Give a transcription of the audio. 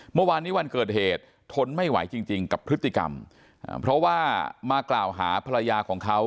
เมื่อวานนี้วันเกิดเหตุทนไม่ไหวจริงกับพฤติกรรมเพราะว่ามากล่าวหาภรรยาของเขา